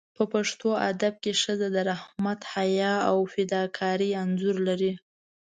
په پښتو ادب کې ښځه د رحمت، حیا او فداکارۍ انځور لري.